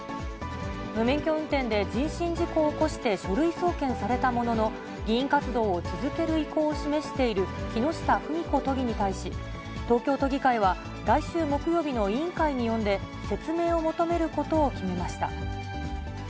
無免許運転で人身事故を起こして、書類送検されたものの、議員活動を続ける意向を示している木下富美子都議に対し、東京都議会は、来週木曜日の委員会に呼んで、説明を求めることを決めました。